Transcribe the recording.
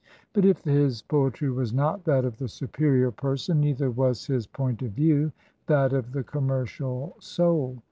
But if his poetry was not that of the superior person, TRANSITION. 169 neither was his point of view that of the commercial soul.